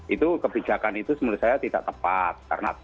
itu kebijakan itu menurut saya tidak tepat